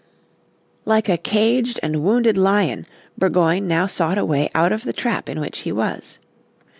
Like a caged and wounded lion Burgoyne now sought a way out of the trap in which he was.